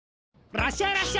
らっしゃいらっしゃい！